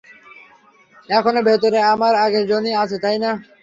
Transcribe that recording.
এখনো ভেতরে আমার আগের জনি আছে, তাইনা?